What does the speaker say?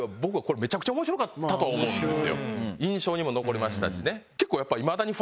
印象にも残りましたしね。